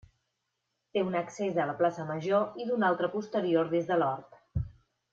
Té un accés a la plaça Major i d'un altre posterior des de l'hort.